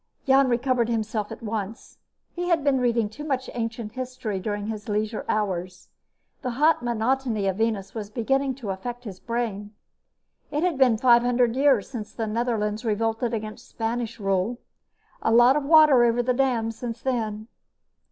Jan recovered himself at once. He had been reading too much ancient history during his leisure hours. The hot monotony of Venus was beginning to affect his brain. It had been 500 years since the Netherlands revolted against Spanish rule. A lot of water over the dam since then.